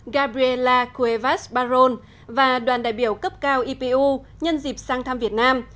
gabriela cuevas barón và đoàn đại biểu cấp cao ipu nhân dịp sang thăm việt nam